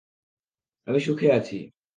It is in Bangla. আমি সুখে আছি।